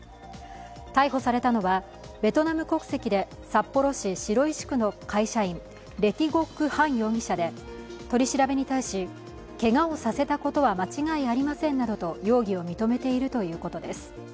逮捕されたのは、ベトナム国籍で札幌市白石区のレ・ティ・ゴック・ハン容疑者で取り調べに対し、けがをさせたことは間違いありませんと容疑を認めているということです。